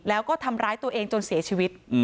แล้วก็ทำร้ายตัวเองจนเสียชีวิต